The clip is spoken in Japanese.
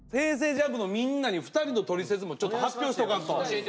ＪＵＭＰのみんなに２人のトリセツもちょっと発表しとかんと。